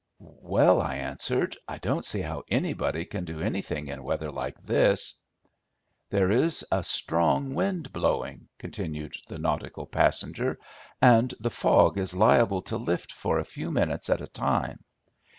"Well," I answered, "I don't see how anybody can do anything in weather like this." "There is a strong wind blowing," continued the nautical passenger, "and the fog is liable to lift for a few minutes at a time.